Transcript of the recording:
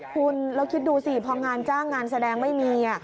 คุณแล้วคิดดูสิพองานจ้างงานแสดงไม่มี